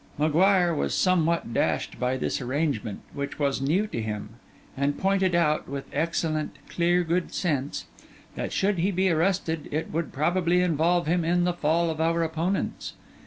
M'Guire was somewhat dashed by this arrangement, which was new to him: and pointed out, with excellent, clear good sense, that should he be arrested, it would probably involve him in the fall of our opponents.